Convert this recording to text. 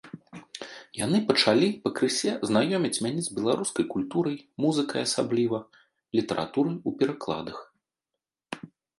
Яны пачалі пакрысе знаёміць мяне з беларускай культурай, музыкай асабліва, літаратурай у перакладах.